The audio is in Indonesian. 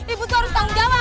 ibu itu harus tanggung jawab